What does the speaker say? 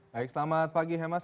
baik selamat pagi hemas